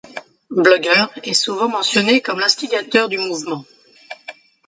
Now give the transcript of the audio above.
Blogger est souvent mentionné comme l'instigateur du mouvement.